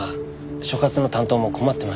所轄の担当も困ってました。